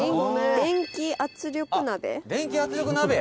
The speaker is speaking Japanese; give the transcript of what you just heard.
「電気圧力鍋！」